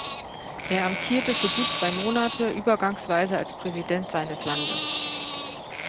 Er amtierte für gut zwei Monate übergangsweise als Präsident seines Landes.